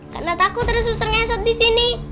karena takut ada susu susu disini